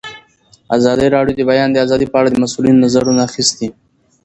ازادي راډیو د د بیان آزادي په اړه د مسؤلینو نظرونه اخیستي.